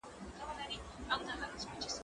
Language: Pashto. زه اجازه لرم چي اوبه پاک کړم؟!